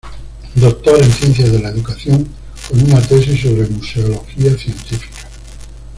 Doctor en Ciencias de la Educación, con una tesis sobre museología científica.